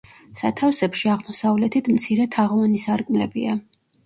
სათავსებში აღმოსავლეთით მცირე თაღოვანი სარკმლებია.